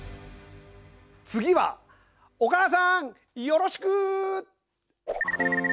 次はお母さんよろしく！